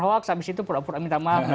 hoax abis itu pura pura minta maaf